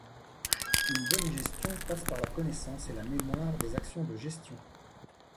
Une bonne gestion passe par la connaissance et la mémoire des actions de gestion.